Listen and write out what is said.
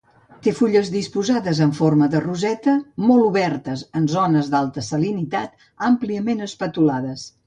Té fulles disposades en forma de roseta, molt obertes en zones d'alta salinitat, àmpliament espatulades.